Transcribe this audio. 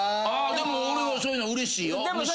でも俺はそういうのうれしいよ。